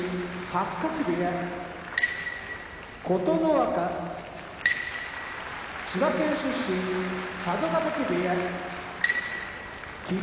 八角部屋琴ノ若千葉県出身佐渡ヶ嶽部屋霧